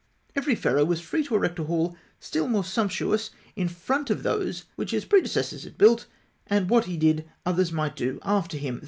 Every Pharaoh was free to erect a hall still more sumptuous in front of those which his predecessors had built; and what he did, others might do after him.